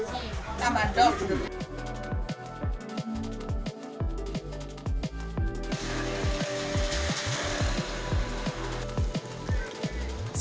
ini tuh makanan yang lebih menarik dari mana